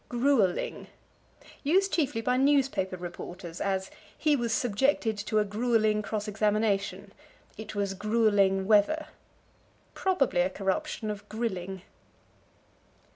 Grueling. Used chiefly by newspaper reporters; as, "He was subjected to a grueling cross examination." "It was grueling weather." Probably a corruption of grilling.